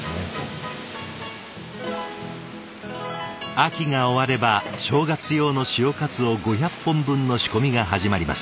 秋が終われば正月用の潮かつお５００本分の仕込みが始まります。